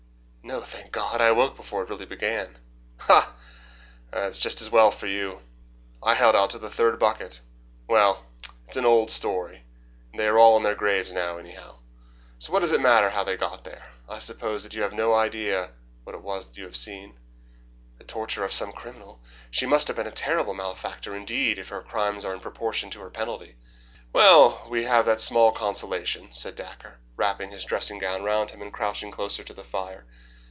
"No, thank God, I awoke before it really began." "Ah! it is just as well for you. I held out till the third bucket. Well, it is an old story, and they are all in their graves now, anyhow, so what does it matter how they got there? I suppose that you have no idea what it was that you have seen?" "The torture of some criminal. She must have been a terrible malefactor indeed if her crimes are in proportion to her penalty." "Well, we have that small consolation," said Dacre, wrapping his dressing gown round him and crouching closer to the fire.